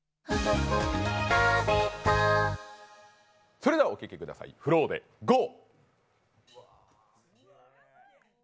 それではお聴きください、ＦＬＯＷで「ＧＯ！！！」